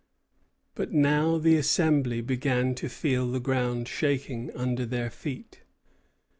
But now the Assembly began to feel the ground shaking under their feet.